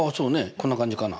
こんな感じかな？